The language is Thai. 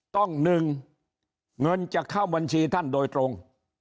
หนึ่งเงินจะเข้าบัญชีท่านโดยตรง